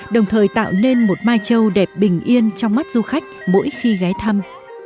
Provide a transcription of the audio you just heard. đồng thời tạo nên một mai châu đẹp bình yên trong mắt du khách mỗi khi ghé thăm